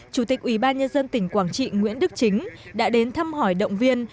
chủ tịch ubnd tỉnh quảng trị nguyễn đức chính đã đến thăm hỏi động viên